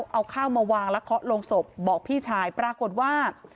เอาข้าวมาวางและเคาะลงศพบอกพี่ชายปรากฏว่า